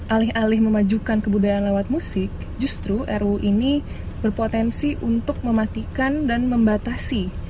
alih alih memajukan kebudayaan lewat musik justru ruu ini berpotensi untuk mematikan dan membatasi